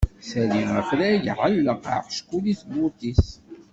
Ssali afrag, ɛelleq aḥeckul i tebburt-is.